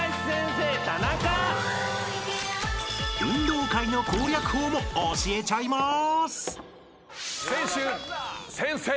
［運動会の攻略法も教えちゃいます！］